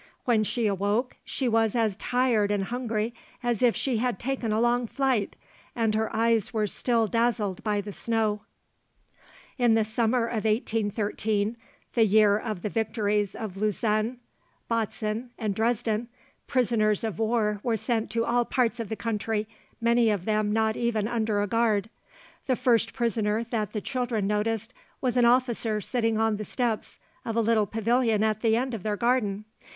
When she awoke she was as tired and hungry as if she had taken a long flight, and her eyes were still dazzled by the snow. In the summer of 1813 the year of the victories of Lutzen, Bautzen, and Dresden prisoners of war were sent to all parts of the country, many of them not even under a guard. The first prisoner that the children noticed was an officer sitting on the steps of a little pavilion at the end of their garden.